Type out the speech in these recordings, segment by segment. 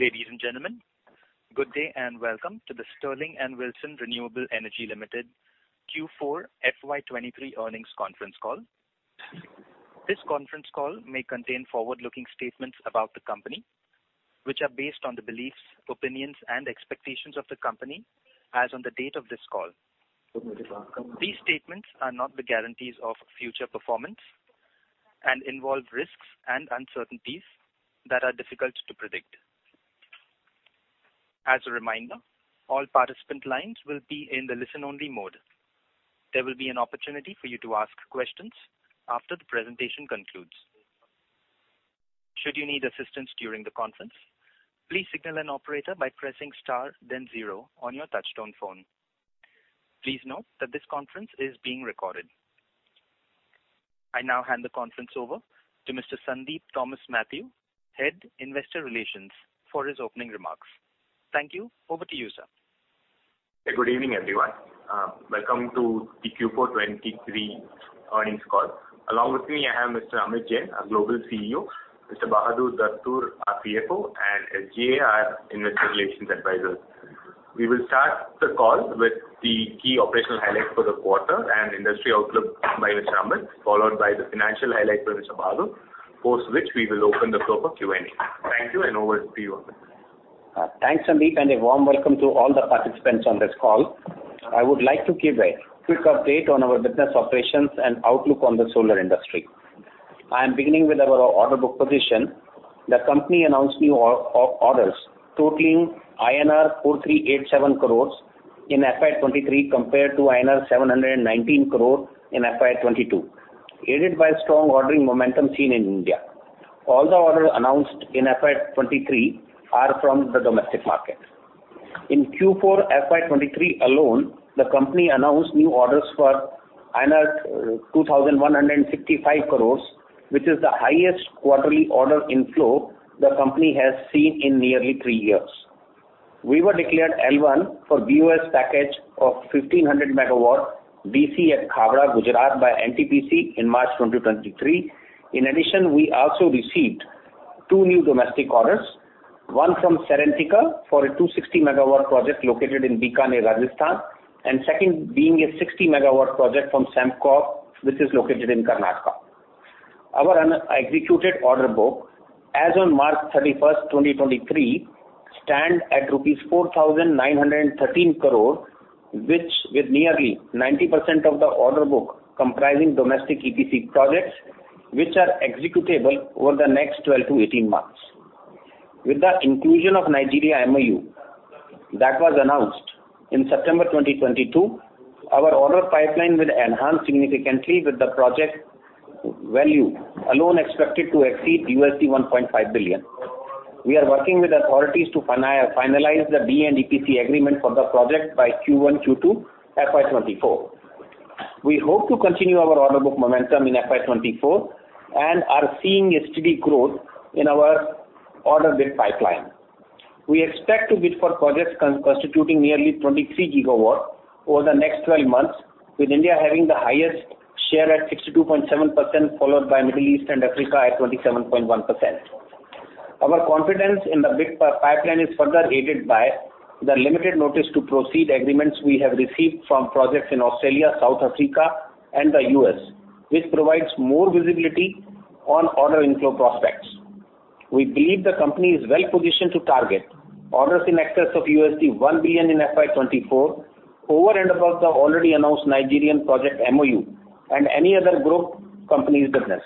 Ladies and gentlemen, good day and welcome to the Sterling and Wilson Renewable Energy Limited Q4 FY 2023 earnings conference call. This conference call may contain forward-looking statements about the company, which are based on the beliefs, opinions and expectations of the company as on the date of this call. These statements are not the guarantees of future performance and involve risks and uncertainties that are difficult to predict. As a reminder, all participant lines will be in the listen-only mode. There will be an opportunity for you to ask questions after the presentation concludes. Should you need assistance during the conference, please signal an operator by pressing star then zero on your touchtone phone. Please note that this conference is being recorded. I now hand the conference over to Mr. Sandeep Thomas Mathew, Head, Investor Relations for his opening remarks. Thank you. Over to you, sir. Good evening, everyone. Welcome to the Q4 2023 earnings call. Along with me, I have Mr. Amit Jain, our Global CEO, Mr. Bahadur Dastoor, our CFO, and SGA, our Investor Relations advisors. We will start the call with the key operational highlights for the quarter and industry outlook by Mr. Amit, followed by the financial highlights by Mr. Bahadur. Post which we will open the floor for Q&A. Thank you. Over to you, Amit. Thanks, Sandeep, and a warm welcome to all the participants on this call. I would like to give a quick update on our business operations and outlook on the solar industry. I am beginning with our order book position. The company announced new orders totaling INR 4,387 crores in FY 2023 compared to INR 719 crore in FY 2022, aided by strong ordering momentum seen in India. All the orders announced in FY 2023 are from the domestic market. In Q4 FY 2023 alone, the company announced new orders for 2,155 crores, which is the highest quarterly order inflow the company has seen in nearly three years. We were declared L1 for BoS package of 1,500 MW DC at Khavda, Gujarat by NTPC in March 2023. In addition, we also received two new domestic orders, one from Serentica for a 260 MW project located in Bikaner, Rajasthan, and second being a 60 MW project from Sembcorp, which is located in Karnataka. Our un-executed order book as on March 31, 2023, stand at rupees 4,913 crore, which with nearly 90% of the order book comprising domestic EPC projects which are executable over the next 12-18 months. With the inclusion of Nigeria MoU that was announced in September 2022, our order pipeline will enhance significantly with the project value alone expected to exceed $1.5 billion. We are working with authorities to finalize the D&EPC agreement for the project by Q1, Q2 FY 2024. We hope to continue our order book momentum in FY 2024 and are seeing steady growth in our order bid pipeline. We expect to bid for projects constituting nearly 23 GW over the next 12 months, with India having the highest share at 62.7%, followed by Middle East and Africa at 27.1%. Our confidence in the bid pipeline is further aided by the limited notice to proceed agreements we have received from projects in Australia, South Africa and the U.S., which provides more visibility on order inflow prospects. We believe the company is well positioned to target orders in excess of $1 billion in FY 2024 over and above the already announced Nigerian project MoU and any other growth company's business.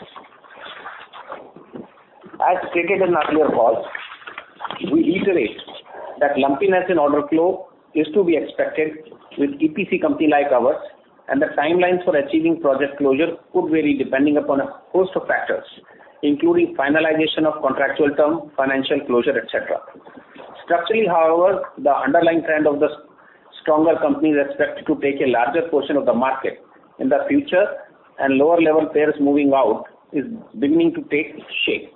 As stated in earlier calls, we reiterate that lumpiness in order flow is to be expected with EPC company like ours, and the timelines for achieving project closure could vary depending upon a host of factors, including finalization of contractual terms, financial closure, etc. Structurally, however, the underlying trend of the stronger companies expected to take a larger portion of the market in the future and lower level players moving out is beginning to take shape.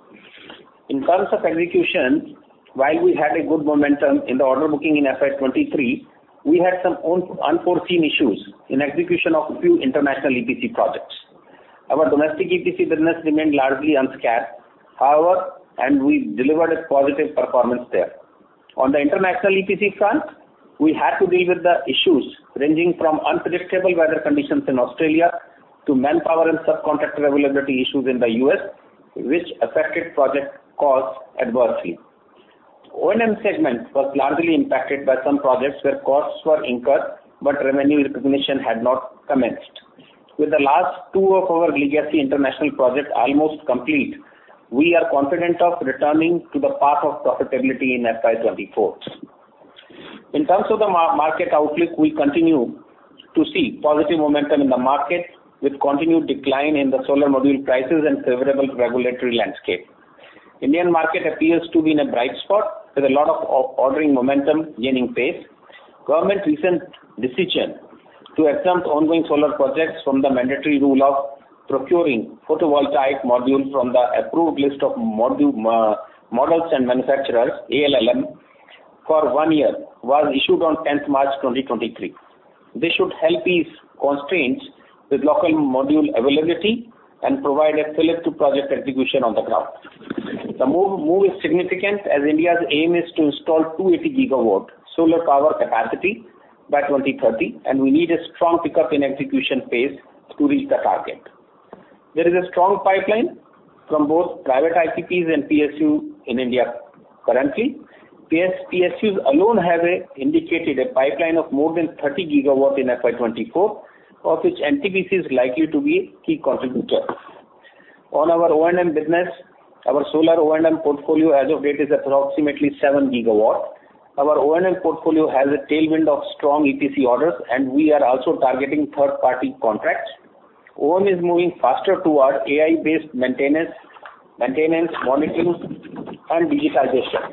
In terms of execution, while we had a good momentum in the order booking in FY 2023, we had some unforeseen issues in execution of a few international EPC projects. Our domestic EPC business remained largely unscathed, however, and we delivered a positive performance there. On the international EPC front, we had to deal with the issues ranging from unpredictable weather conditions in Australia to manpower and subcontractor availability issues in the US, which affected project costs adversely. O&M segment was largely impacted by some projects where costs were incurred, but revenue recognition had not commenced. With the last two of our legacy international projects almost complete, we are confident of returning to the path of profitability in FY 2024. In terms of the market outlook, we continue to see positive momentum in the market with continued decline in the solar module prices and favorable regulatory landscape. Indian market appears to be in a bright spot with a lot of ordering momentum gaining pace. Government recent decision to exempt ongoing solar projects from the mandatory rule of procuring photovoltaic modules from the approved list of models and manufacturers, ALMM, for one year was issued on 10th March 2023. This should help ease constraints with local module availability and provide a fillip to project execution on the ground. The move is significant as India's aim is to install 280 GW solar power capacity by 2030, and we need a strong pickup in execution pace to reach the target. There is a strong pipeline from both private IPPs and PSUs in India currently. PSUs alone have a indicated a pipeline of more than 30 GW in FY 2024, of which NTPC is likely to be a key contributor. On our O&M business, our solar O&M portfolio as of date is approximately 7 GW. Our O&M portfolio has a tailwind of strong EPC orders, and we are also targeting third-party contracts. O&M is moving faster towards AI-based maintenance monitoring, and digitalization.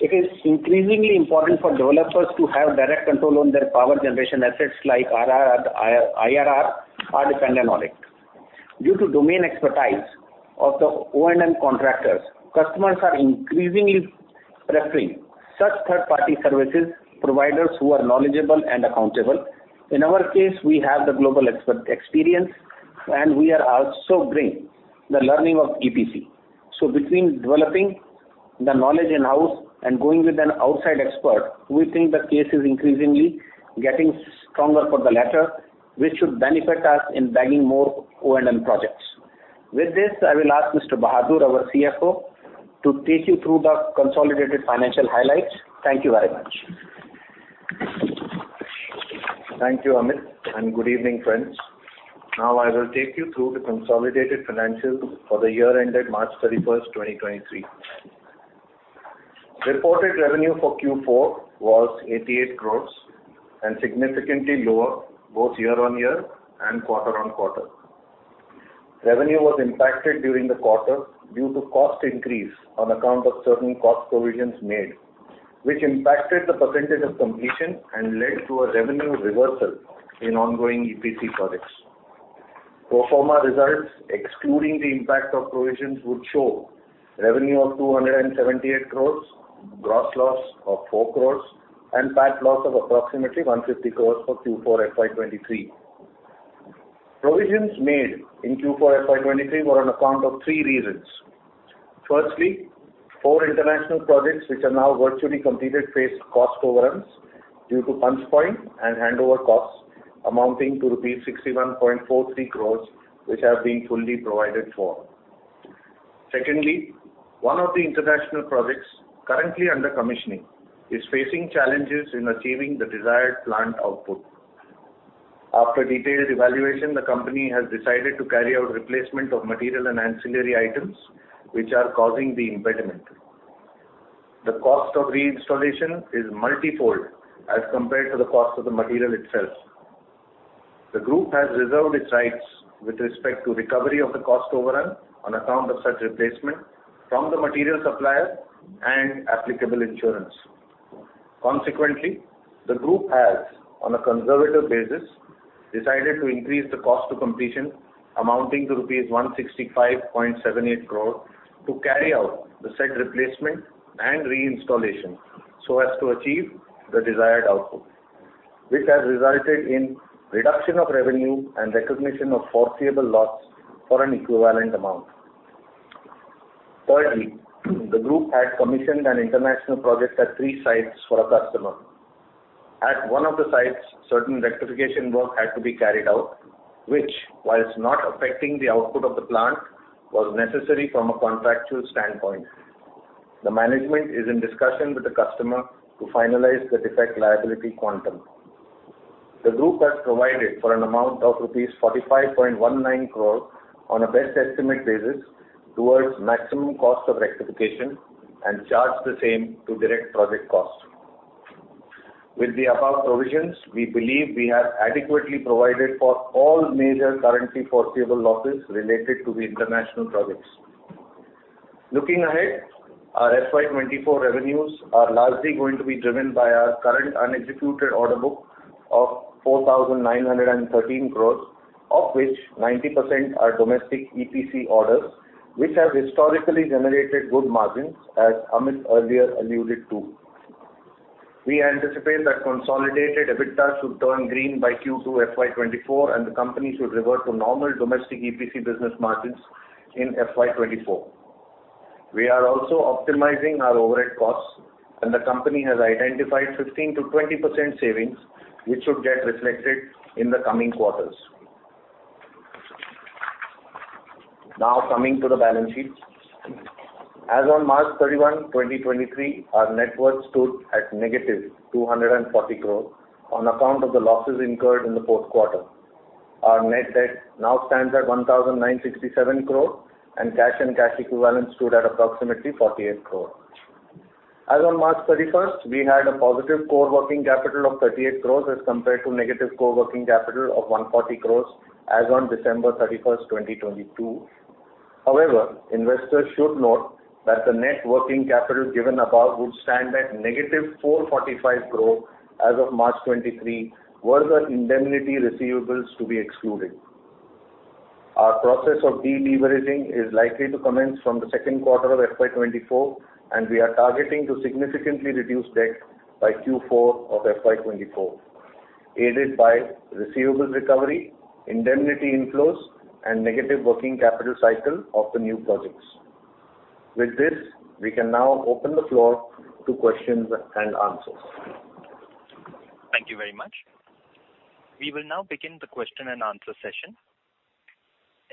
It is increasingly important for developers to have direct control on their power generation assets like IRR are dependent on it. Due to domain expertise of the O&M contractors, customers are increasingly preferring such third-party services providers who are knowledgeable and accountable. In our case, we have the global expert experience, and we are also bringing the learning of EPC. Between developing the knowledge in-house and going with an outside expert, we think the case is increasingly getting stronger for the latter, which should benefit us in bagging more O&M projects. With this, I will ask Mr. Bahadur, our CFO, to take you through the consolidated financial highlights. Thank you very much. Thank you, Amit. Good evening, friends. Now I will take you through the consolidated financials for the year ended March 31, 2023. Reported revenue for Q4 was 88 crores and significantly lower both year-on-year and quarter-on-quarter. Revenue was impacted during the quarter due to cost increase on account of certain cost provisions made, which impacted the percentage of completion and led to a revenue reversal in ongoing EPC projects. Pro forma results, excluding the impact of provisions, would show revenue of 278 crores, gross loss of 4 crores, and PAT loss of approximately 150 crores for Q4 FY 2023. Provisions made in Q4 FY 2023 were on account of three reasons. Firstly, four international projects which are now virtually completed face cost overruns due to punch point and handover costs amonting to rupees 61.43 crores, which have been fully provided for. One of the international projects currently under commissioning is facing challenges in achieving the desired plant output. After detailed evaluation, the company has decided to carry out replacement of material and ancillary items which are causing the impediment. The cost of reinstallation is multi-fold as compared to the cost of the material itself. The group has reserved its rights with respect to recovery of the cost overrun on account of such replacement from the material supplier and applicable insurance. The group has, on a conservative basis, decided to increase the cost to completion amounting to rupees 165.78 crore to carry out the said replacement and reinstallation, so as to achieve the desired output, which has resulted in reduction of revenue and recognition of foreseeable loss for an equivalent amount. The group had commissioned an international project at three sites for a customer. At one of the sites, certain rectification work had to be carried out, which, whilst not affecting the output of the plant, was necessary from a contractual standpoint. The management is in discussion with the customer to finalize the defect liability quantum. The group has provided for an amount of rupees 45.19 crore on a best estimate basis towards maximum cost of rectification and charged the same to direct project cost. With the above provisions, we believe we have adequately provided for all major currently foreseeable losses related to the international projects. Looking ahead, our FY 2024 revenues are largely going to be driven by our current unexecuted order book of 4,913 crores, of which 90% are domestic EPC orders, which have historically generated good margins, as Amit earlier alluded to. We anticipate that consolidated EBITDA should turn green by Q2 FY 2024. The company should revert to normal domestic EPC business margins in FY 2024. We are also optimizing our overhead costs. The company has identified 15%-20% savings, which should get reflected in the coming quarters. Coming to the balance sheet. As on March 31, 2023, our net worth stood at negative 240 crore on account of the losses incurred in the fourth quarter. Our net debt now stands at 1,967 crore. Cash and cash equivalents stood at approximately 48 crore. As on March 31, we had a positive core working capital of 38 crore as compared to negative core working capital of 140 crore as on December 31, 2022. Investors should note that the net working capital given above would stand at negative 445 crore as of March 2023, were the indemnity receivables to be excluded. Our process of de-leveraging is likely to commence from the second quarter of FY 2024. We are targeting to significantly reduce debt by Q4 of FY 2024, aided by receivable recovery, indemnity inflows, and negative working capital cycle of the new projects. With this, we can now open the floor to questions and answers. Thank you very much. We will now begin the question-and-answer session.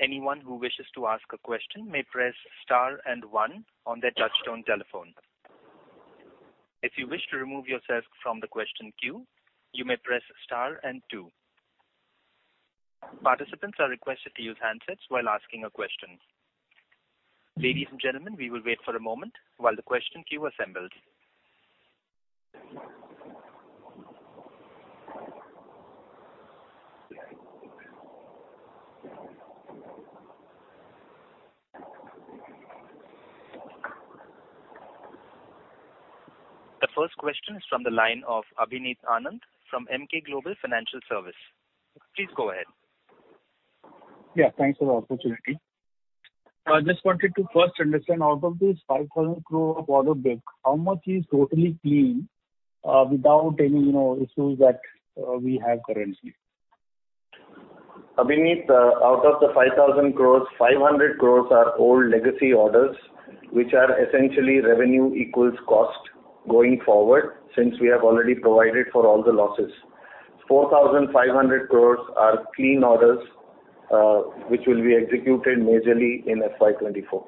Anyone who wishes to ask a question may press star and one on their touchtone telephone. If you wish to remove yourself from the question queue, you may press star and two. Participants are requested to use handsets while asking a question. Ladies and gentlemen, we will wait for a moment while the question queue assembles. The first question is from the line of Abhineet Anand from Emkay Global Financial Services. Please go ahead. Yeah, thanks for the opportunity. I just wanted to first understand, out of this 5,000 crore order book, how much is totally clean, without any, you know, issues that, we have currently? Abhineet, out of the 5,000 crores, 500 crores are old legacy orders, which are essentially revenue equals cost going forward, since we have already provided for all the losses. 4,500 crores are clean orders, which will be executed majorly in FY 2024.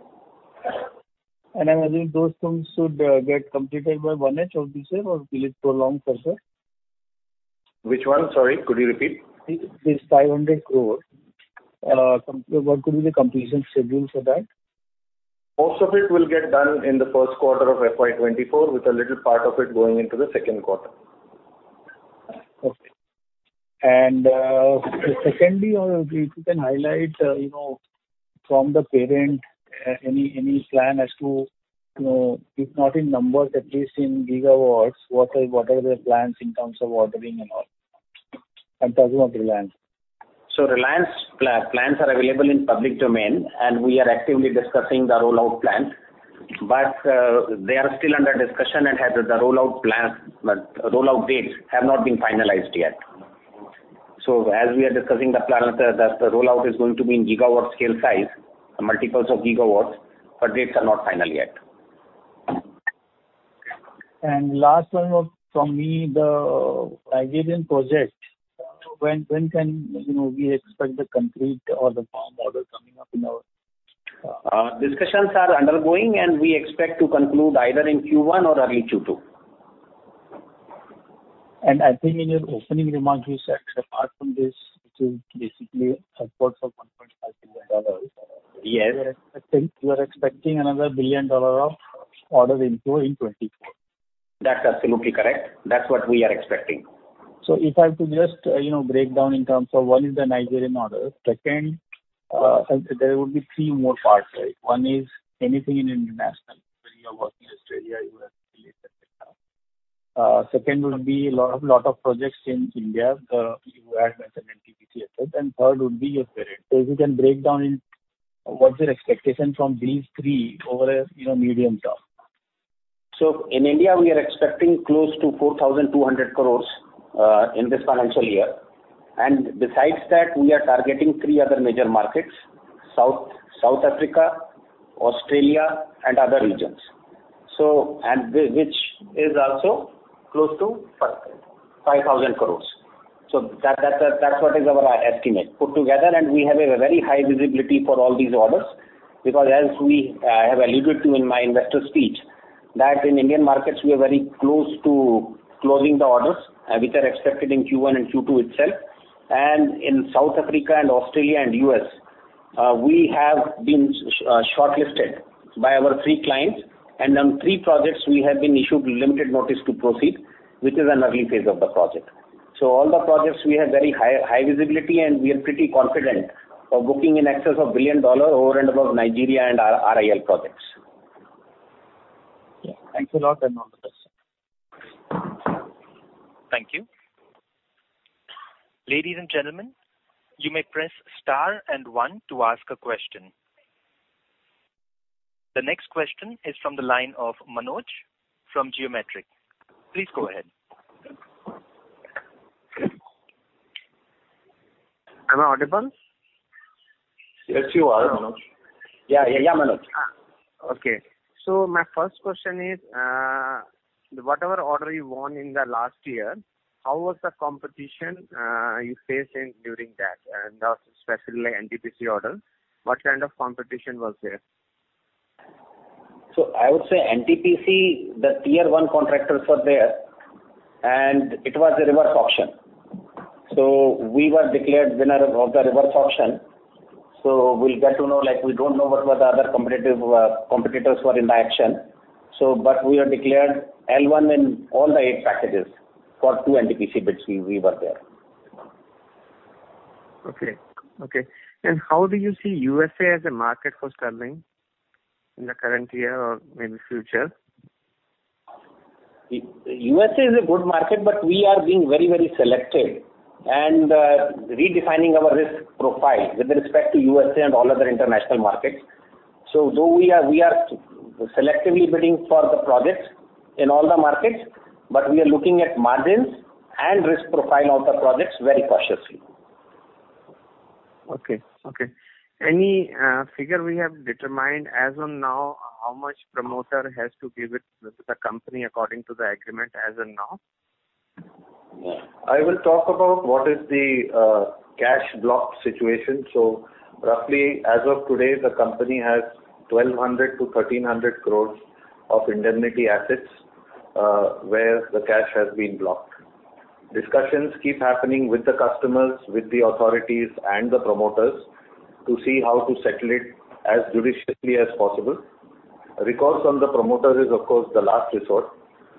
I believe those sums should get completed by one edge of this year or will it prolong further? Which one? Sorry, could you repeat? This 500 crore. What will be the completion schedule for that? Most of it will get done in the first quarter of FY 2024, with a little part of it going into the second quarter. Okay. Secondly, if you can highlight, you know, from the parent, any plan as to, you know, if not in numbers, at least in GWs, what are the plans in terms of ordering and all? I'm talking of Reliance. Reliance plans are available in public domain and we are actively discussing the rollout plan. But they are still under discussion and have the rollout plan, rollout dates have not been finalized yet. As we are discussing the plan, the rollout is going to be in GW scale size, multiples of GWs, but dates are not final yet. Last one from me, the Nigerian project, when can, you know, we expect the complete or the firm order coming up, you know? Discussions are undergoing, and we expect to conclude either in Q1 or early Q2. I think in your opening remarks you said apart from this, which is basically support for $1.5 billion. Yes. I think you are expecting another $1 billion of orders inflow in 2024. That's absolutely correct. That's what we are expecting. If I could just, you know, break down in terms of what is the Nigerian order. Second, there would be three more parts, right? One is anything in international, where you are working Australia, U.S., Middle East, et cetera. Second would be lot of projects in India, you had mentioned NTPC asset. Third would be your parent. If you can break down in what's your expectation from these three over a, you know, medium term. In India, we are expecting close to 4,200 crores in this financial year. Besides that, we are targeting three other major markets, South Africa, Australia and other regions. Which is also close to 5,000 crores. That's what is our estimate. Put together, we have a very high visibility for all these orders because as I have alluded to in my investor speech that in Indian markets we are very close to closing the orders which are expected in Q1 and Q2 itself. In South Africa and Australia and U.S., we have been shortlisted by our three clients. On three projects we have been issued Limited Notice to Proceed, which is an early phase of the project. All the projects we have very high visibility and we are pretty confident of booking in excess of $1 billion over and above Nigeria and RIL projects. Yeah. Thanks a lot. I'm done with questions. Thank you. Ladies and gentlemen, you may press star and one to ask a question. The next question is from the line of Manoj from Geometric. Please go ahead. Am I audible? Yes, you are, Manoj. Yeah. Yeah. Yeah, Manoj. My first question is, whatever order you won in the last year, how was the competition you faced in during that? Specifically NTPC order, what kind of competition was there? I would say NTPC, the tier 1 contractors were there, and it was a reverse auction. We were declared winner of the reverse auction. We'll get to know, like, we don't know what were the other competitive competitors who are in the action. But we are declared L1 in all the 8 packages for 2 NTPC bids we were there. Okay. Okay. How do you see USA as a market for Sterling in the current year or maybe future? USA is a good market, we are being very, very selective and redefining our risk profile with respect to USA and all other international markets. Though we are selectively bidding for the projects in all the markets, but we are looking at margins and risk profile of the projects very cautiously. Okay. Okay. Any figure we have determined as on now how much promoter has to give it with the company according to the agreement as on now? I will talk about what is the cash block situation. Roughly as of today, the company has 1,200-1,300 crores of indemnity assets where the cash has been blocked. Discussions keep happening with the customers, with the authorities and the promoters to see how to settle it as judiciously as possible. Recourse from the promoter is of course the last resort.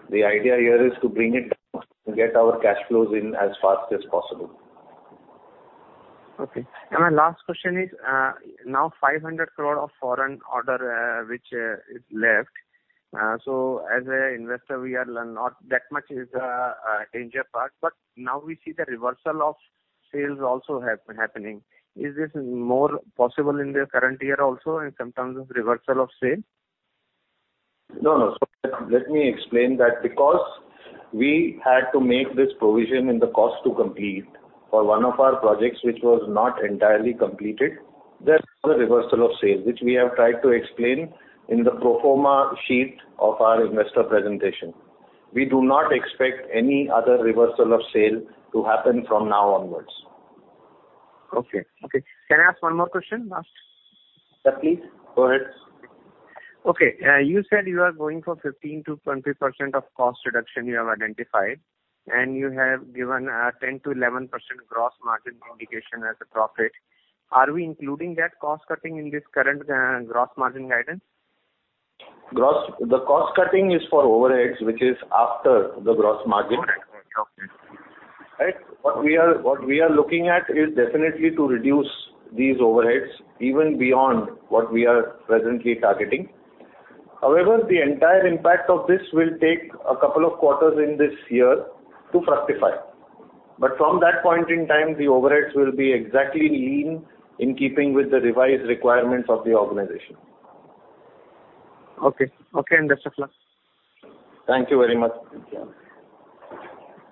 The idea here is to bring it down to get our cash flows in as fast as possible. Okay. My last question is, now 500 crore of foreign order which is left. As a investor, we are not that much is danger part, but now we see the reversal of sales also happening. Is this more possible in the current year also in some terms of reversal of sale? No, no. Let me explain that because we had to make this provision in the cost to complete for one of our projects, which was not entirely completed. There's no reversal of sales, which we have tried to explain in the pro forma sheet of our investor presentation. We do not expect any other reversal of sale to happen from now onwards. Okay. Okay. Can I ask one more question last? Certainly. Go ahead. Okay. You said you are going for 15%-20% of cost reduction you have identified, and you have given, 10%-11% gross margin indication as a profit. Are we including that cost cutting in this current, gross margin guidance? The cost cutting is for overheads, which is after the gross margin. All right. Okay. Right? What we are looking at is definitely to reduce these overheads even beyond what we are presently targeting. However, the entire impact of this will take a couple of quarters in this year to fructify. From that point in time, the overheads will be exactly lean in keeping with the revised requirements of the organization. Okay. Okay. Best of luck. Thank you very much. Thank you.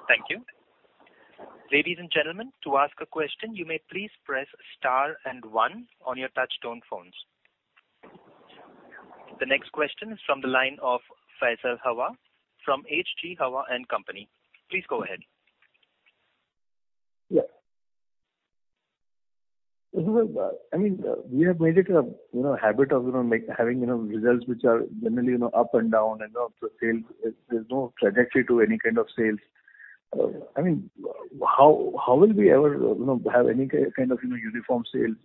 Thank you. Ladies and gentlemen, to ask a question, you may please press star and one on your touch-tone phones. The next question is from the line of Faisal Hawa from H.G. Hawa & Co. Please go ahead. Yeah. This is, I mean, we have made it a, you know, habit of, you know, having, you know, results which are generally, you know, up and down and of the sales. There's no trajectory to any kind of sales. I mean, how will we ever, you know, have any kind of, you know, uniform sales?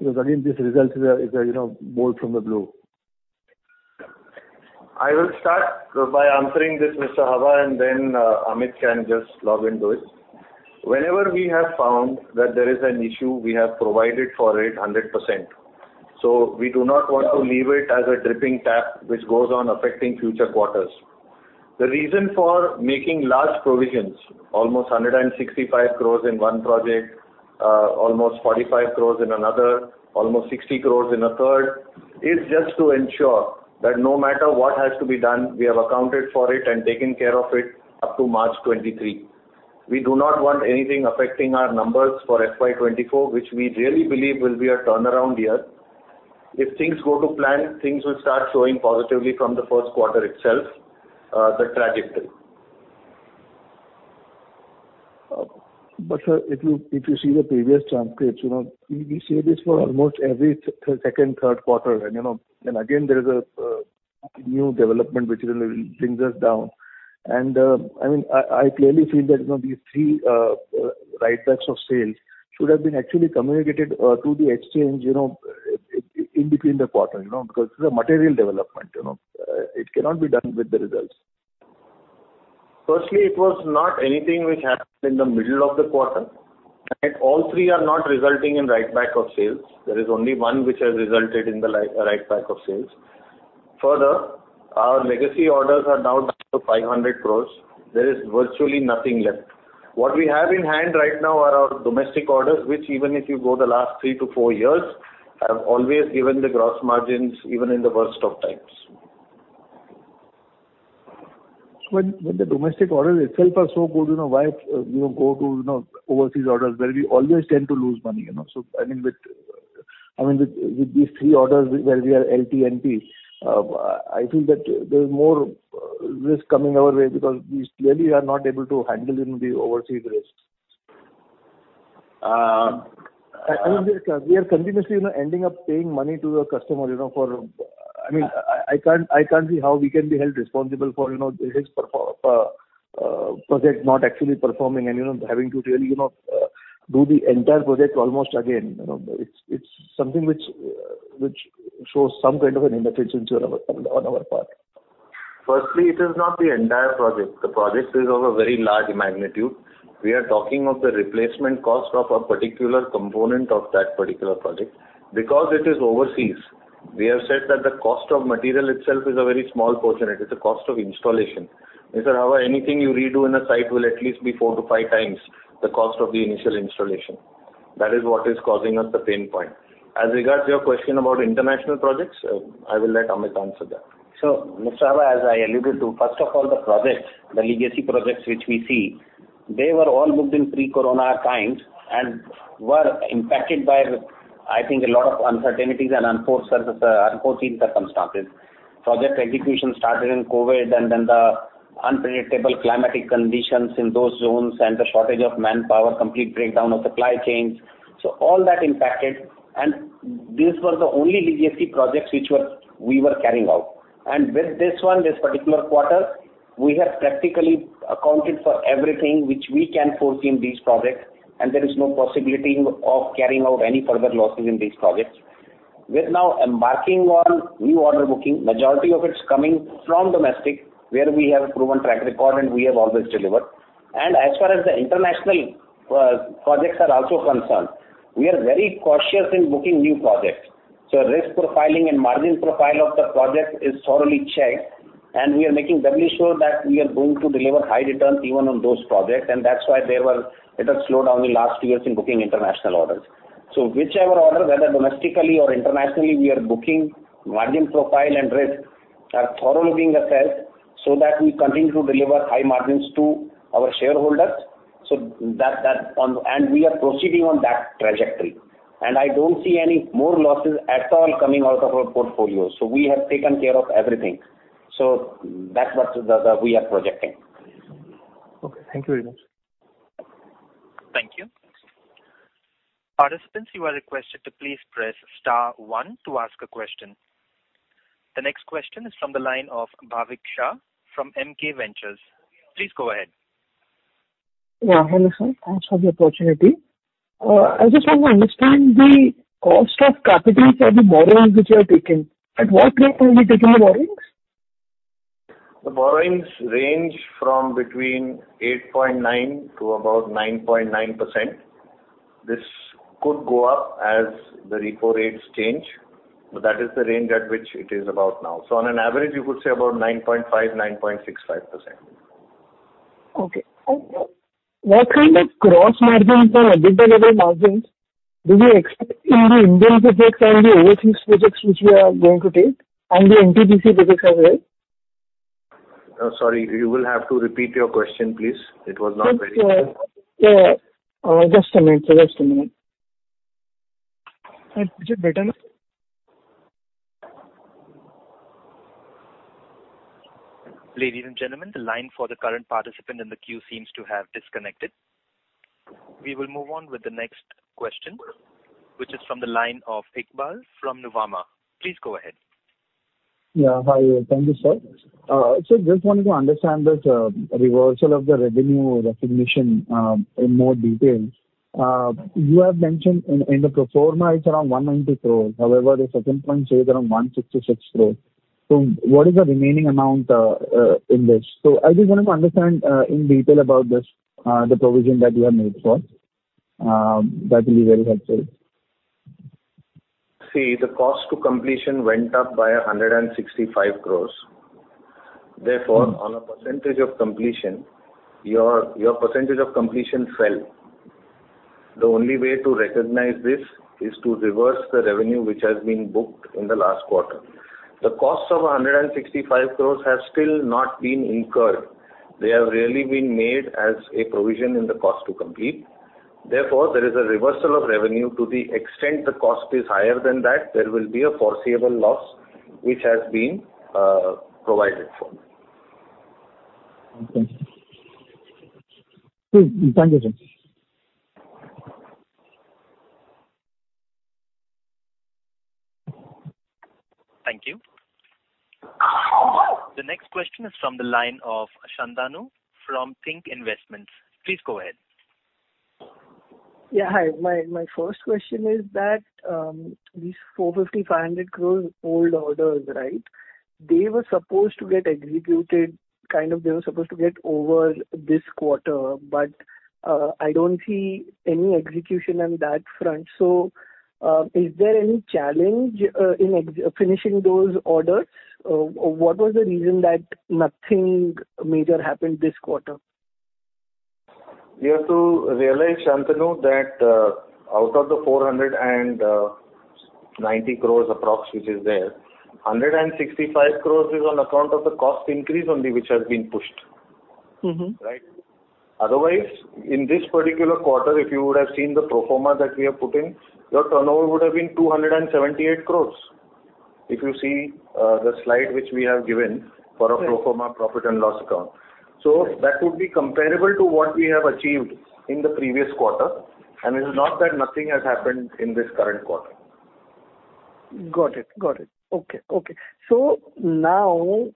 Again, this result is a, you know, bolt from the blue. I will start by answering this, Mr. Hawa, and then Amit can just log into it. Whenever we have found that there is an issue, we have provided for it hundred percent. We do not want to leave it as a dripping tap, which goes on affecting future quarters. The reason for making large provisions, almost 165 crores in one project, almost 45 crores in another, almost 60 crores in a third, is just to ensure that no matter what has to be done, we have accounted for it and taken care of it up to March 2023. We do not want anything affecting our numbers for FY 2024, which we really believe will be a turnaround year. If things go to plan, things will start showing positively from the first quarter itself, the trajectory. Sir, if you see the previous transcripts, you know, we say this for almost every second, third quarter and, you know. Again, there is a new development which really brings us down. I mean, I clearly feel that, you know, these three write backs of sales should have been actually communicated to the exchange, you know, in between the quarter, you know, because this is a material development, you know. It cannot be done with the results. Firstly, it was not anything which happened in the middle of the quarter. All three are not resulting in write back of sales. There is only one which has resulted in the write back of sales. Further, our legacy orders are now down to 500 crores. There is virtually nothing left. What we have in hand right now are our domestic orders, which even if you go the last three-four years, have always given the gross margins, even in the worst of times. When the domestic orders itself are so good, you know, why, you know, go to, you know, overseas orders where we always tend to lose money, you know. I mean, with these three orders where we are LNTP, I feel that there's more risk coming our way because we clearly are not able to handle even the overseas risk. Uh- I mean, we are continuously, you know, ending up paying money to a customer, you know, for. I mean, I can't see how we can be held responsible for, you know, his project not actually performing and, you know, having to really, you know, do the entire project almost again. You know, it's something which shows some kind of an inefficiency on our, on our part. Firstly, it is not the entire project. The project is of a very large magnitude. We are talking of the replacement cost of a particular component of that particular project. Because it is overseas. We have said that the cost of material itself is a very small portion. It is the cost of installation. Mr. Hawa, anything you redo in a site will at least be four to five times the cost of the initial installation. That is what is causing us the pain point. As regards your question about international projects, I will let Amit answer that. Mr. Hawa, as I alluded to, first of all, the projects, the legacy projects which we see, they were all booked in pre-corona times and were impacted by, I think, a lot of uncertainties and unforeseen circumstances. Project execution started in COVID, the unpredictable climatic conditions in those zones and the shortage of manpower, complete breakdown of supply chains. All that impacted. These were the only legacy projects which we were carrying out. With this one, this particular quarter, we have practically accounted for everything which we can foresee in these projects, and there is no possibility of carrying out any further losses in these projects. We're now embarking on new order booking. Majority of it's coming from domestic, where we have proven track record and we have always delivered. As far as the international projects are also concerned, we are very cautious in booking new projects. Risk profiling and margin profile of the project is thoroughly checked, and we are making doubly sure that we are going to deliver high returns even on those projects. That's why there were a little slowdown in last two years in booking international orders. Whichever order, whether domestically or internationally we are booking, margin profile and risk are thoroughly being assessed so that we continue to deliver high margins to our shareholders. That. We are proceeding on that trajectory. I don't see any more losses at all coming out of our portfolio. We have taken care of everything. That's what we are projecting. Okay. Thank you very much. Thank you. Participants, you are requested to please press star one to ask a question. The next question is from the line of Bhavik Shah from MK Ventures. Please go ahead. Yeah. Hello, sir. Thanks for the opportunity. I just want to understand the cost of capital for the borrowings which you have taken. At what rate have you taken the borrowings? The borrowings range from between 8.9 to about 9.9%. This could go up as the repo rates change, but that is the range at which it is about now. On an average, you could say about 9.5, 9.65%. Okay. What kind of gross margins or EBITDA margins do you expect in the Indian projects and the overseas projects which you are going to take, and the NTPC projects as well? Sorry. You will have to repeat your question, please. It was not very clear. Yeah. Just a minute, sir. Just a minute. Is it better now? Ladies and gentlemen, the line for the current participant in the queue seems to have disconnected. We will move on with the next question, which is from the line of Iqbal from Nuvama. Please go ahead. Yeah. Hi. Thank you, sir. Just wanted to understand this reversal of the revenue recognition in more detail. You have mentioned in the pro forma it's around 190 crores. However, the second point says around 166 crores. What is the remaining amount in this? I just wanted to understand in detail about this the provision that you have made for. That will be very helpful. See, the cost to completion went up by 165 crores. Therefore- Mm-hmm. on a percentage of completion, your percentage of completion fell. The only way to recognize this is to reverse the revenue which has been booked in the last quarter. The cost of 165 crores has still not been incurred. They have really been made as a provision in the cost to complete. There is a reversal of revenue. To the extent the cost is higher than that, there will be a foreseeable loss which has been provided for. Okay. Thank you, sir. Thank you. The next question is from the line of Shantanu from Think Investments. Please go ahead. Hi. My first question is that, these 450-500 crore old orders, right? They were supposed to get executed, kind of, they were supposed to get over this quarter. I don't see any execution on that front. Is there any challenge in finishing those orders? What was the reason that nothing major happened this quarter? You have to realize, Shantanu, that out of the 490 crores approx which is there, 165 crores is on account of the cost increase only which has been pushed. Mm-hmm. Right? Otherwise, in this particular quarter, if you would have seen the pro forma that we have put in, your turnover would have been 278 crores. If you see the slide which we have given for our pro forma profit and loss account. That would be comparable to what we have achieved in the previous quarter, and it's not that nothing has happened in this current quarter. Got it. Okay. Now,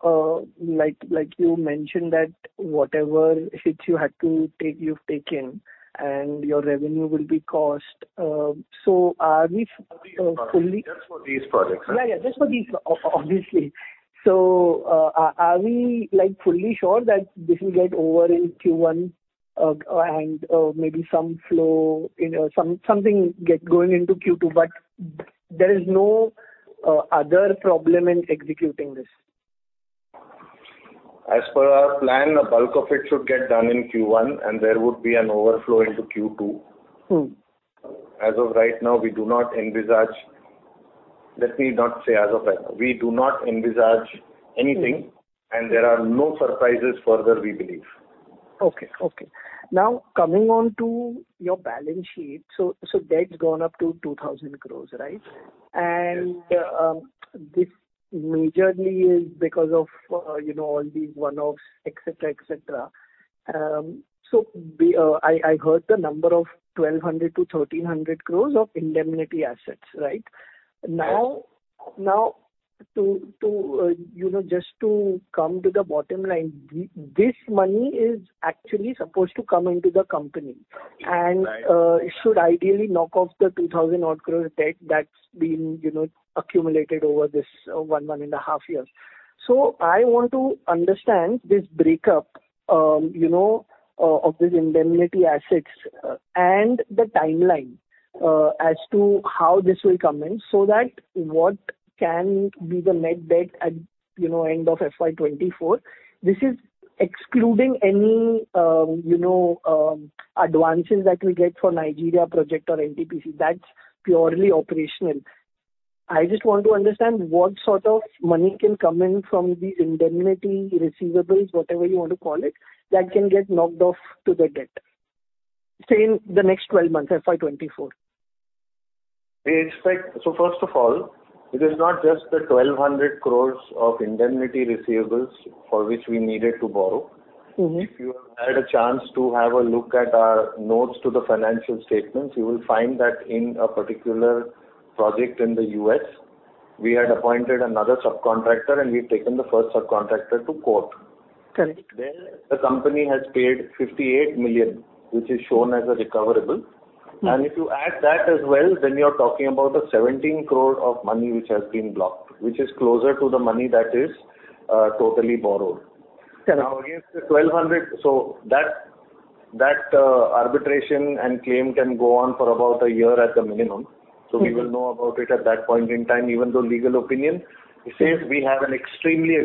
like you mentioned that whatever hits you had to take, you've taken, and your revenue will be cost. Just for these projects. Yeah, yeah. Just for these, obviously. Are we like fully sure that this will get over in Q1 and maybe something get going into Q2, but there is no other problem in executing this? As per our plan, the bulk of it should get done in Q1, and there would be an overflow into Q2. Mm-hmm. Let me not say as of now. We do not envisage anything. Mm-hmm. There are no surprises further, we believe. Okay. Okay. Now coming on to your balance sheet. debt's gone up to 2,000 crores, right? Yes. This majorly is because of, you know, all these one-offs, et cetera, et cetera. I heard the number of 1,200 crore-1,300 crore of indemnity assets, right? Right. To, you know, just to come to the bottom line, this money is actually supposed to come into the company. Right. It should ideally knock off the 2,000 crore odd debt that's been, you know, accumulated over this one and a half years. I want to understand this breakup, you know, of these indemnity assets and the timeline as to how this will come in so that what can be the net debt at, you know, end of FY 2024. This is excluding any, you know, advances that we get for Nigeria project or NTPC. That's purely operational. I just want to understand what sort of money can come in from these indemnity receivables, whatever you want to call it, that can get knocked off to the debt, say, in the next 12 months, FY 2024. First of all, it is not just the 1,200 crores of indemnity receivables for which we needed to borrow. Mm-hmm. If you have had a chance to have a look at our notes to the financial statements, you will find that in a particular project in the U.S. we had appointed another subcontractor, and we've taken the first subcontractor to court. Correct. There the company has paid $58 million, which is shown as a recoverable. Mm-hmm. If you add that as well, you're talking about the 17 crore of money which has been blocked, which is closer to the money that is totally borrowed. Correct. against the 1,200, that arbitration and claim can go on for about a year at the minimum. Mm-hmm. We will know about it at that point in time, even though legal opinion says we have an extremely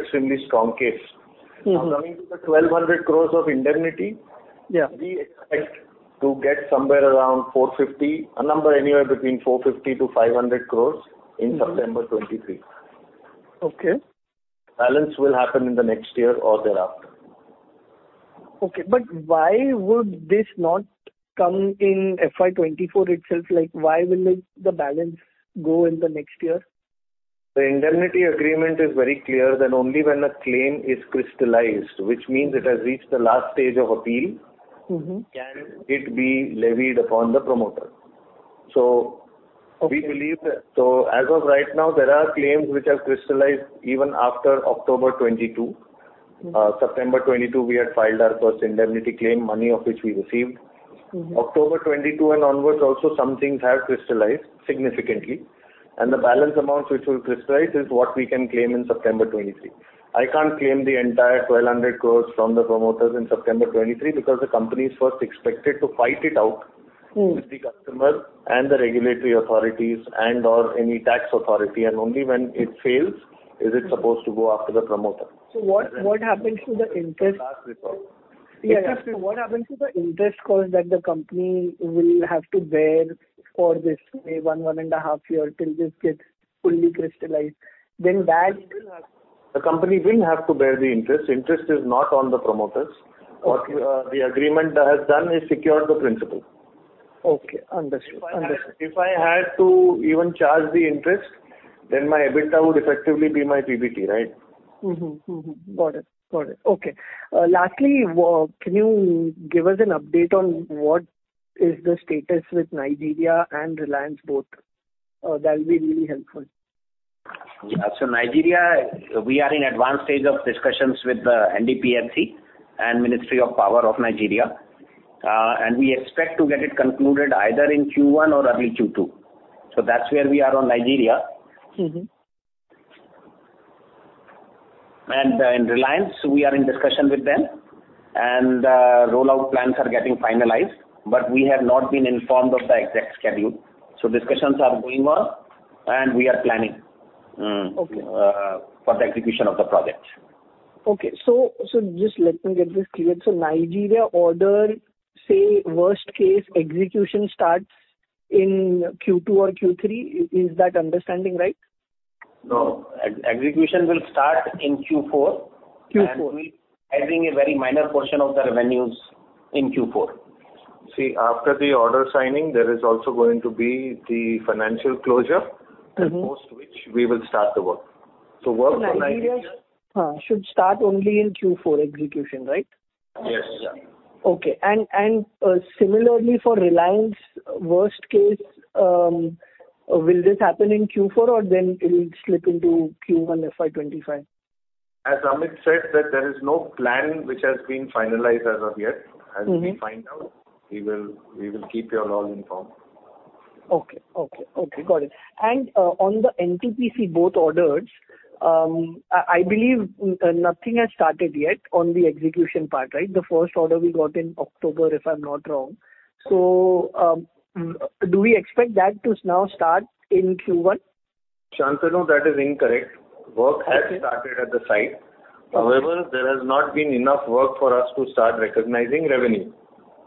strong case. Mm-hmm. coming to the 1,200 crores of indemnity- Yeah. We expect to get somewhere around 450 crore, a number anywhere between 450 crore-500 crore in September 2023. Okay. Balance will happen in the next year or thereafter. Okay. Why would this not come in FY 2024 itself? Like, why will it, the balance go in the next year? The indemnity agreement is very clear that only when a claim is crystallized, which means it has reached the last stage of appeal. Mm-hmm. can it be levied upon the promoter. we believe that- Okay. As of right now, there are claims which are crystallized even after October 2022. Mm-hmm. September 2022 we had filed our first indemnity claim, money of which we received. Mm-hmm. October 22 and onwards also some things have crystallized significantly, and the balance amounts which will crystallize is what we can claim in September 23. I can't claim the entire 1,200 crores from the promoters in September 23 because the company is first expected to fight it out. Mm-hmm. with the customer and the regulatory authorities and/or any tax authority, and only when it fails is it supposed to go after the promoter. Yeah. What happens to the interest cost that the company will have to bear for this, say, one and a half year till this gets fully crystallized? The company will have to bear the interest. Interest is not on the promoters. Okay. What, the agreement has done is secured the principal. Okay. Understood. Understood. If I had to even charge the interest, then my EBITDA would effectively be my PBT, right? Mm-hmm. Mm-hmm. Got it. Got it. Okay. Lastly, can you give us an update on what is the status with Nigeria and Reliance both? That will be really helpful. Yeah. Nigeria, we are in advanced stage of discussions with the NDPHC and Ministry of Power of Nigeria, and we expect to get it concluded either in Q1 or early Q2. That's where we are on Nigeria. Mm-hmm. In Reliance, we are in discussion with them, and rollout plans are getting finalized, but we have not been informed of the exact schedule. Discussions are going on, and we are planning. Okay. For the execution of the project. Okay. Just let me get this clear. Nigeria order, say, worst case execution starts in Q2 or Q3. Is that understanding right? No. E-execution will start in Q4. Q4. We're entering a very minor portion of the revenues in Q four. After the order signing, there is also going to be the financial closure. Mm-hmm. post which we will start the work. work on Nigeria- Nigeria, should start only in Q4 execution, right? Yes. Yeah. Okay. Similarly for Reliance, worst case, will this happen in Q4 or then it will slip into Q1 FY 2025? As Amit said that there is no plan which has been finalized as of yet. Mm-hmm. As we find out, we will keep you all informed. Okay. Got it. On the NTPC both orders, I believe nothing has started yet on the execution part, right? The first order we got in October, if I'm not wrong. Do we expect that to now start in Q1? Shantanu, that is incorrect. Okay. Work has started at the site. Okay. There has not been enough work for us to start recognizing revenue.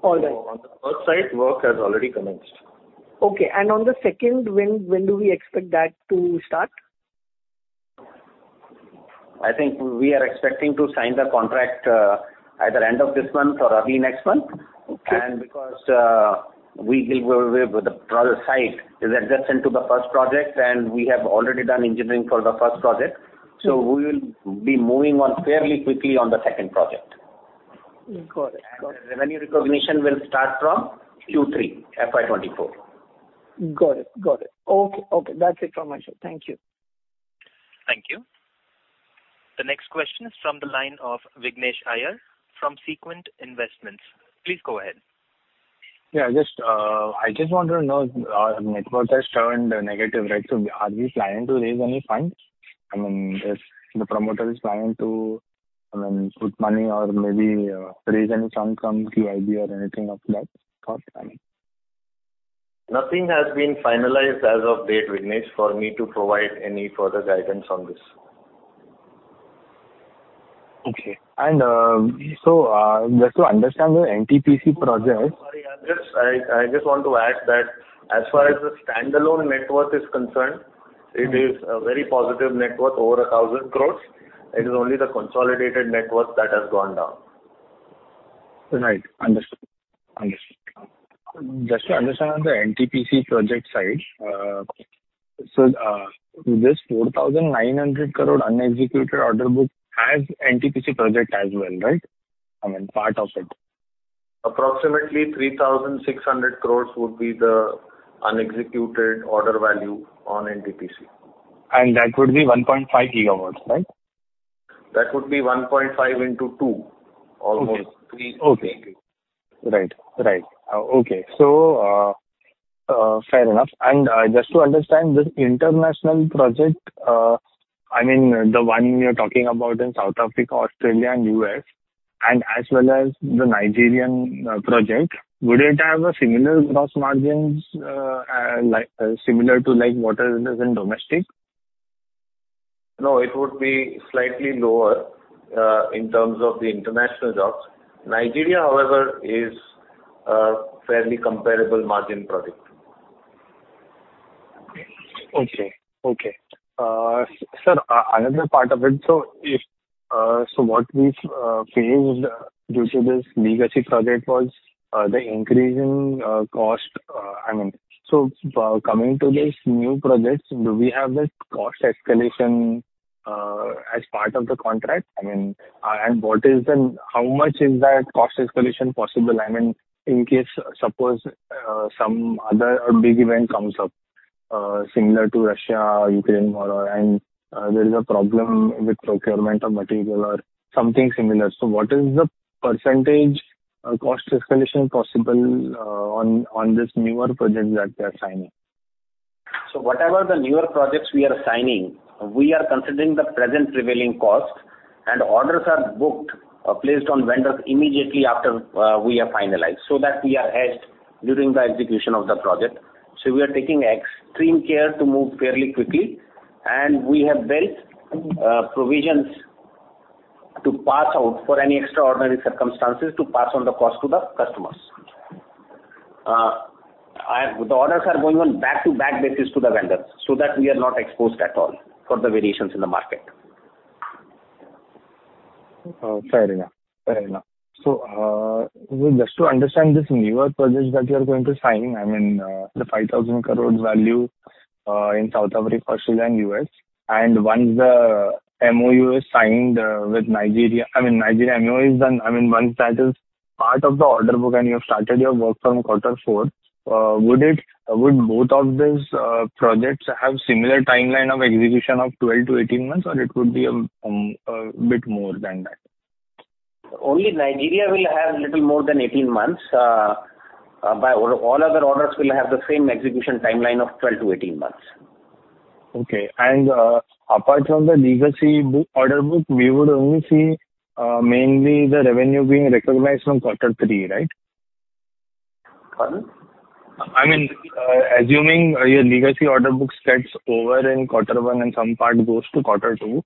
All right. On the first site, work has already commenced. Okay. On the second, when do we expect that to start? I think we are expecting to sign the contract, either end of this month or early next month. Okay. Because, with the project site is adjacent to the first project, and we have already done engineering for the first project. Mm. We will be moving on fairly quickly on the second project. Got it. Got it. The revenue recognition will start from Q3 FY 2024. Got it. Got it. Okay. Okay, that's it from my side. Thank you. Thank you. The next question is from the line of Vignesh Iyer from Sequent Investments. Please go ahead. Just, I just want to know our net worth has turned negative, right? Are we planning to raise any funds? I mean, if the promoter is planning to, I mean, put money or maybe, raise any funds from QIB or anything of that sort, I mean. Nothing has been finalized as of date, Vignesh, for me to provide any further guidance on this. Okay. So, just to understand the NTPC projects- Sorry, I just want to add that as far as the standalone net worth is concerned. Mm-hmm. It is a very positive net worth over 1,000 crores. It is only the consolidated net worth that has gone down. Right. Understood. Understood. Just to understand on the NTPC project side, this 4,900 crore unexecuted order book has NTPC project as well, right? I mean, part of it. Approximately 3,600 crores would be the unexecuted order value on NTPC. That would be 1.5 GW, right? That would be 1.5 into 2. Okay. Almost 3 G. Okay. Right. Right. Okay. Fair enough. Just to understand this international project, I mean the one you're talking about in South Africa, Australia and U.S., and as well as the Nigerian project, would it have a similar gross margins like similar to like what it is in domestic? it would be slightly lower, in terms of the international jobs. Nigeria, however, is a fairly comparable margin project. Okay. Okay. Sir, another part of it. If, what we've faced due to this legacy project was the increasing cost, I mean. Coming to these new projects, do we have this cost escalation as part of the contract? I mean, and what is the, how much is that cost escalation possible? I mean, in case, suppose, some other big event comes up, similar to Russia-Ukraine war, and there is a problem with procurement of material or something similar. What is the % cost escalation possible on this newer projects that we are signing? Whatever the newer projects we are signing, we are considering the present prevailing costs, and orders are booked or placed on vendors immediately after we have finalized, so that we are hedged during the execution of the project. We are taking extreme care to move fairly quickly, and we have built provisions to pass out for any extraordinary circumstances to pass on the cost to the customers. The orders are going on back-to-back basis to the vendors so that we are not exposed at all for the variations in the market. Fair enough. Fair enough. Just to understand this newer projects that you're going to sign, I mean, the 5,000 crores value in South Africa, Australia and U.S., and once the MoU is signed with Nigeria, I mean, Nigeria MoU is done, I mean, once that is part of the order book and you have started your work from quarter four, would both of these projects have similar timeline of execution of 12-18 months or it would be a bit more than that? Only Nigeria will have little more than 18 months. By all other orders will have the same execution timeline of 12-18 months. Okay. apart from the legacy book, order book, we would only see mainly the revenue being recognized from quarter three, right? Pardon? I mean, assuming your legacy order book gets over in Q1 and some part goes to Q2,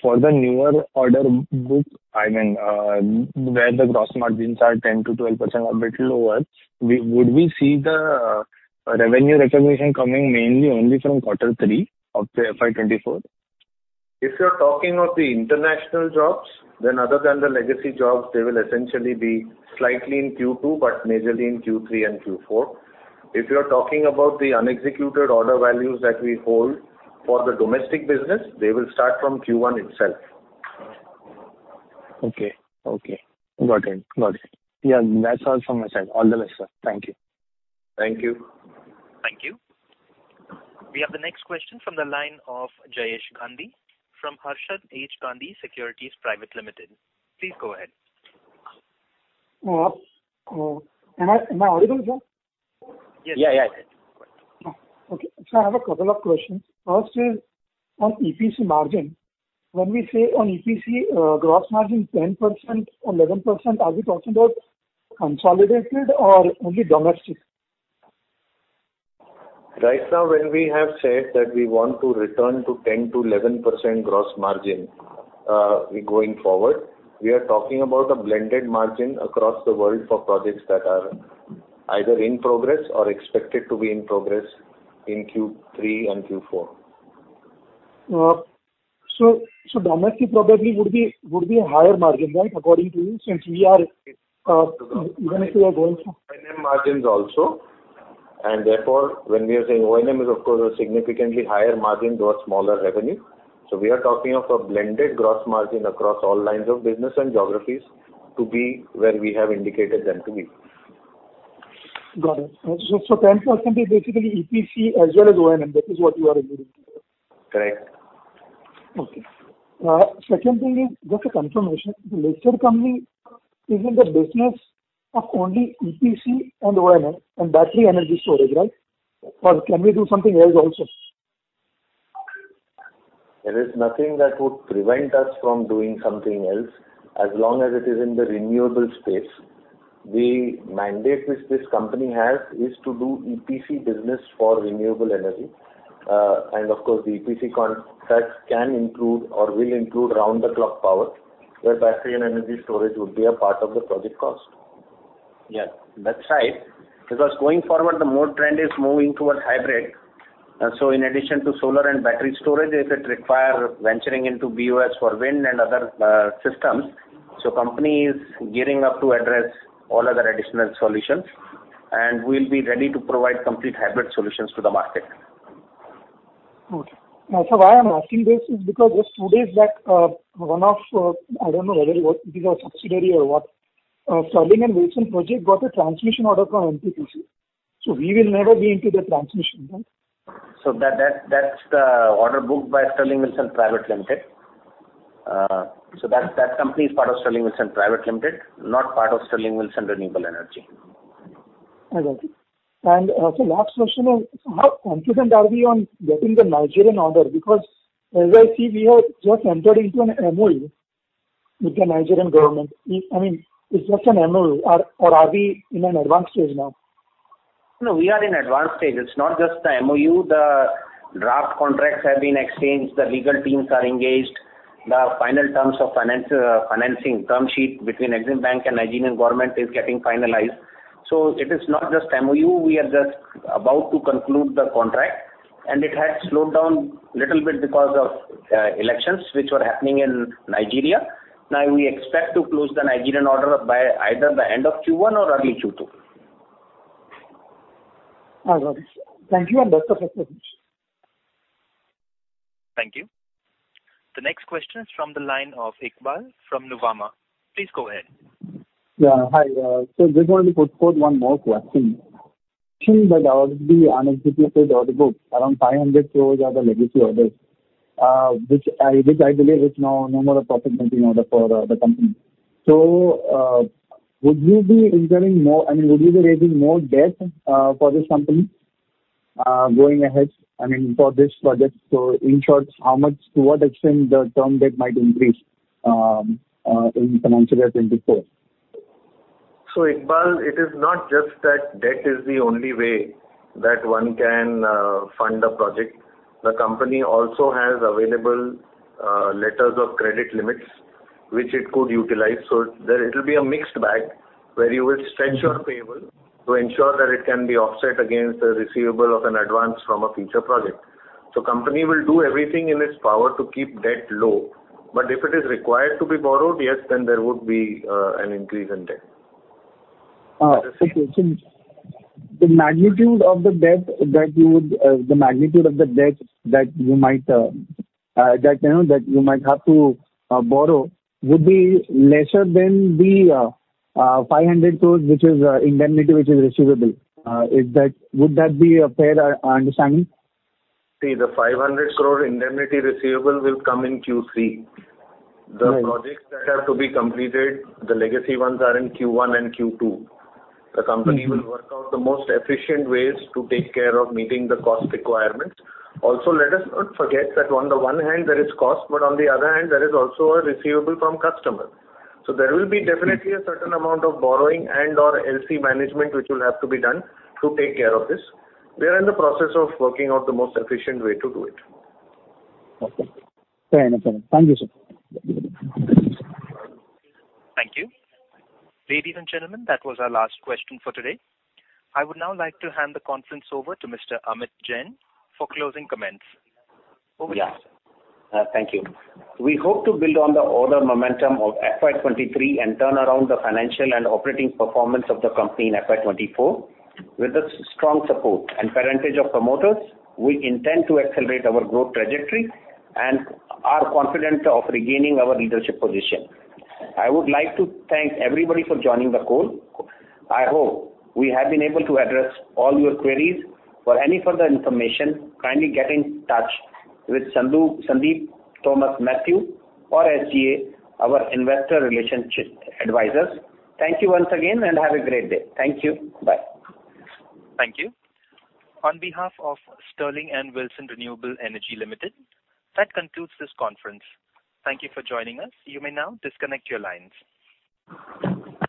for the newer order book, I mean, where the gross margins are 10%-12% or a bit lower, would we see the revenue recognition coming mainly only from Q3 of the FY 2024? If you're talking of the international jobs, then other than the legacy jobs, they will essentially be slightly in Q2 but majorly in Q3 and Q4. If you are talking about the unexecuted order values that we hold for the domestic business, they will start from Q1 itself. Okay. Okay. Got it. Got it. That's all from my side. All the best, sir. Thank you. Thank you. We have the next question from the line of Jayesh Gandhi from Harshad H. Gandhi Securities Private Limited. Please go ahead. am I audible, sir? Yes. Yeah, yeah. I have a couple of questions. First is on EPC margin. When we say on EPC, gross margin 10% or 11%, are we talking about consolidated or only domestic? Now, when we have said that we want to return to 10%-11% gross margin, going forward, we are talking about a blended margin across the world for projects that are either in progress or expected to be in progress in Q3 and Q4. Domestic probably would be a higher margin then according to you, since we are, even if you are going for... O&M margins also, when we are saying O&M is of course a significantly higher margin towards smaller revenue. We are talking of a blended gross margin across all lines of business and geographies to be where we have indicated them to be. Got it. 10% is basically EPC as well as O&M, that is what you are including? Correct. Okay. second thing is just a confirmation. The listed company is in the business of only EPC and O&M and battery energy storage, right? can we do something else also? There is nothing that would prevent us from doing something else as long as it is in the renewable space. The mandate which this company has is to do EPC business for renewable energy. Of course, the EPC contracts can include or will include round-the-clock power, where battery and energy storage would be a part of the project cost. Yes, that's right. Going forward, the mode trend is moving towards hybrid. In addition to solar and battery storage, if it require venturing into BOS for wind and other systems. Company is gearing up to address all other additional solutions, and we'll be ready to provide complete hybrid solutions to the market. Okay. Now, sir, why I'm asking this is because just two days back, one of, I don't know whether it was a subsidiary or what, Sterling and Wilson project got a transmission order from NTPC. We will never be into the transmission, right? That's the order booked by Sterling and Wilson Private Limited. That company is part of Sterling and Wilson Private Limited, not part of Sterling and Wilson Renewable Energy. I got it. Last question is, how confident are we on getting the Nigerian order? Because as I see, we have just entered into an MoU with the Nigerian government. It's just an MoU or are we in an advanced stage now? We are in advanced stage. It's not just the MoU. The draft contracts have been exchanged. The legal teams are engaged. The final terms of financing term sheet between Exim Bank and Nigerian government is getting finalized. It is not just MoU. We are just about to conclude the contract, and it has slowed down little bit because of elections which were happening in Nigeria. We expect to close the Nigerian order by either the end of Q1 or early Q2. I got it. Thank you and best of luck. Thank you. The next question is from the line of Iqbal from Nuvama. Please go ahead. Yeah, hi. Just wanted to put forth one more question. Actually, there are the unexecuted order books. Around 500 crores are the legacy orders, which I believe is now no more a profitability order for the company. Would you be incurring more-- I mean, would you be raising more debt for this company going ahead? I mean, for this project. In short, how much, to what extent the term debt might increase in financial year 2024? Iqbal, it is not just that debt is the only way that one can fund a project. The Company also has available letters of credit limits which it could utilize. There it will be a mixed bag where you will stretch your payable to ensure that it can be offset against the receivable of an advance from a future project. Company will do everything in its power to keep debt low. If it is required to be borrowed, yes, then there would be an increase in debt. magnitude of the debt that you might have to borrow would be lesser than the 500 crores, which is indemnity, which is receivable, would that be a fair understanding? The 500 crore indemnity receivable will come in Q3. Right. The projects that have to be completed, the legacy ones are in Q1 and Q2. Mm-hmm. The company will work out the most efficient ways to take care of meeting the cost requirements. Also, let us not forget that on the one hand there is cost, but on the other hand there is also a receivable from customer. There will be definitely a certain amount of borrowing and or LC management which will have to be done to take care of this. We are in the process of working out the most efficient way to do it. Okay. Fair enough. Thank you, sir. Thank you. Ladies and gentlemen, that was our last question for today. I would now like to hand the conference over to Mr. Amit Jain for closing comments. Over to you, sir. Yeah. Thank you. We hope to build on the order momentum of FY 2023 and turn around the financial and operating performance of the company in FY 2024. With the strong support and parentage of promoters, we intend to accelerate our growth trajectory and are confident of regaining our leadership position. I would like to thank everybody for joining the call. I hope we have been able to address all your queries. For any further information, kindly get in touch with Sandeep Thomas Mathew, or SGA, our investor relationship advisors. Thank you once again and have a great day. Thank you. Bye. Thank you. On behalf of Sterling and Wilson Renewable Energy Limited, that concludes this conference. Thank you for joining us. You may now disconnect your lines.